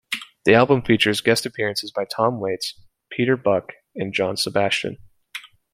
The album features guest appearances by Tom Waits, Peter Buck and John Sebastian.